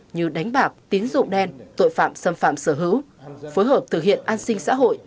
như đánh bạc tín dụng đen tội phạm xâm phạm sở hữu phối hợp thực hiện an sinh xã hội